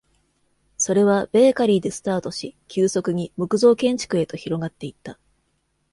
それは、ベーカリーでスタートし、急速に、木造建築へと広がっていった。